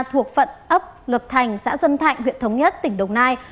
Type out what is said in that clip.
thuộc phận ấp lập thành xã xuân thạnh huyện thống nhất tỉnh đồng nai